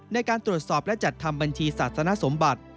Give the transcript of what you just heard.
ในการตรวจสอบและจัดทำบัญชีศาสนสมบัติ